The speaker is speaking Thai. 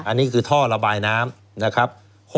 อันนี้คือท่อระบายน้ำนะครับ